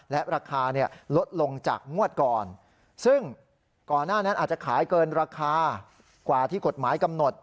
และราคาลดลงจากงวดก่อนซึ่งก่อนหน้านั้นอาจจะขายเกินราคากว่าที่กฎหมายกำหนด